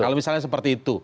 kalau misalnya seperti itu